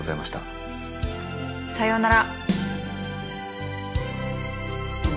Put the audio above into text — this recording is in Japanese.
さようなら。